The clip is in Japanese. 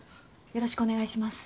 よろしくお願いします。